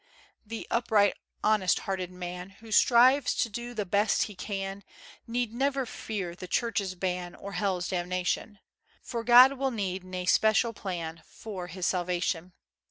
The upright, honest hearted man, Who strives to do the best he can, Need never fear the Church's ban, Or hell's damnation; For God will need na special plan For his salvation.